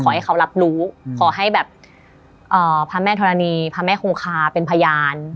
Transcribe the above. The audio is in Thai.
ขอให้เขารับรู้ขอให้แบบพระแม่ธรณีพระแม่คงคาเป็นพยาน